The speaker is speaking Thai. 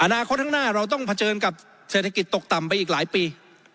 อนาคตข้างหน้าเราต้องเผชิญกับเศรษฐกิจตกต่ำไปอีกหลายปี